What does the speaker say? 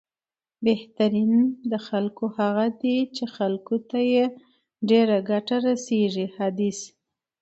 بهترین د خلکو هغه دی، چې خلکو ته یې ډېره ګټه رسېږي، حدیث